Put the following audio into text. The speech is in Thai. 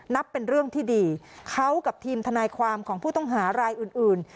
นับเป็นเรื่องที่ดีเขากับทีมทนายความของผู้ต้องหารายอื่นอื่น